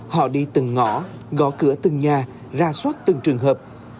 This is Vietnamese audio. họ đi từng ngõ gõ cửa từng nhà ra soát từng trường hợp